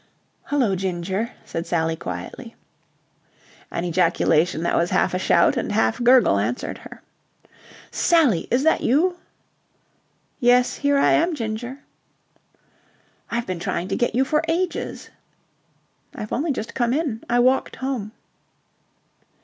"Hullo, Ginger," said Sally quietly. An ejaculation that was half a shout and half gurgle answered her. "Sally! Is that you?" "Yes, here I am, Ginger." "I've been trying to get you for ages." "I've only just come in. I walked home."